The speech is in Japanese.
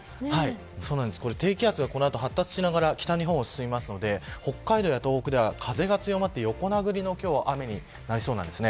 これ、低気圧が発達しながら北日本に進みますので北海道や東北では風が強まって横殴りの雨に今日はなりそうです。